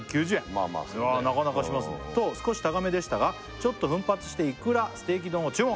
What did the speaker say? まあまあするねあなかなかしますね「と少し高めでしたがちょっと奮発してイクラステーキ丼を注文」